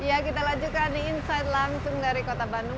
iya kita lanjutkan di insight langsung dari kota bandung